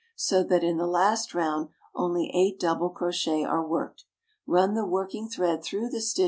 so that in the last round only 8 dc. are worked. Run the working thread through the st.